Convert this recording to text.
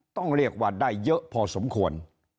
ต้องเรียกว่าได้เยอะพอสมควร